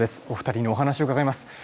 お二人にお話をうかがいます。